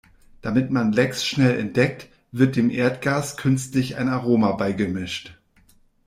Damit man Lecks schnell entdeckt, wird dem Erdgas künstlich ein Aroma beigemischt.